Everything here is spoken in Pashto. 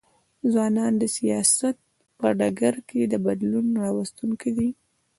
ځوانان د سیاست په ډګر کي د بدلون راوستونکي دي.